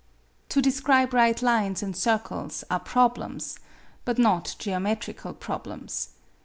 To describe right lines and circles are problems, but not geometrical problems.